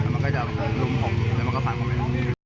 มันก็จะลุ้มผมแล้วมันก็ขับผ่านไป